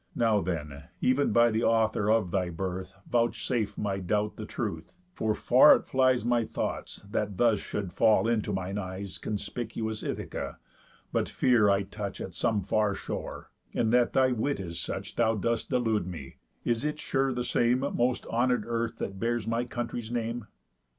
Now then, ev'n by the Author of thy birth, Vouchsafe my doubt the truth (for far it flies My thoughts that thus should fall into mine eyes Conspicuous Ithaca, but fear I touch At some far shore, and that thy wit is such Thou dost delude me) is it sure the same Most honour'd earth that bears my country's name?"